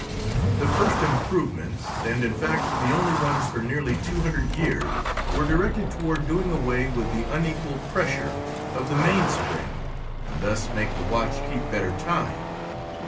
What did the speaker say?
The first improvements, and, in fact, the only ones for nearly two hundred years, were directed toward doing away with the unequal pressure of the mainspring and thus make the watch keep better time.